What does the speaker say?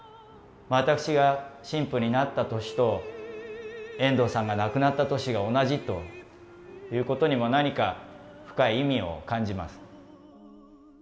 わたくしが神父になった年と遠藤さんが亡くなった年が同じということにも何か深い意味を感じます。